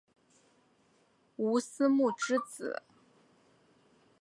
吴思穆之子。